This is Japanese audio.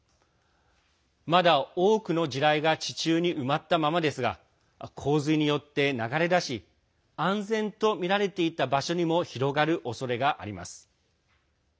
まだ多くの地雷が地中に埋まったままですが洪水によって流れ出し安全とみられていた場所にも広がるおそれがあります。